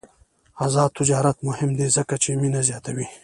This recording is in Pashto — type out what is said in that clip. آزاد تجارت مهم دی ځکه چې مینه زیاتوي.